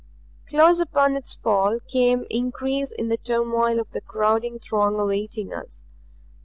Close upon its fall came increase in the turmoil of the crowding throng awaiting us.